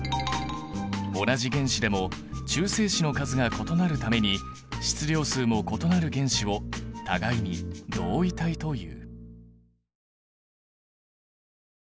同じ原子でも中性子の数が異なるために質量数も異なる原子を互いに同位体という。